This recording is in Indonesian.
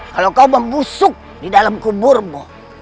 kalau kau membusuk di dalam kuburmu